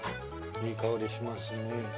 いい香りしますね。